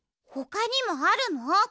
ほかにもあるの？